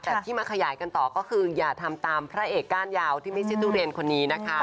แต่ที่มาขยายกันต่อก็คืออย่าทำตามพระเอกก้านยาวที่ไม่ใช่ทุเรียนคนนี้นะคะ